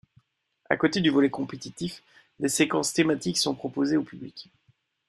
À côté du volet compétitif, des séquences thématiques sont proposées au public.